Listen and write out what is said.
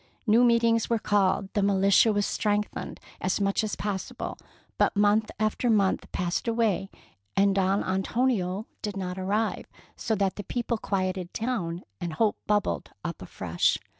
New meetings were called, the militia was strengthened as much as possible ; but month after month passed away and 196 THE PEAKL NECKLACE Don Antonio did not arrive, so that the people quieted down and hope bubbled up afresh.